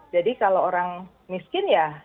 jadi kalau orang miskin ya